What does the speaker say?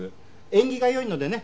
縁起が良いのでね